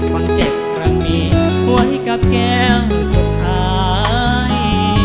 ฟังเจ็บรังมีนไว้กับแก้วสุดท้าย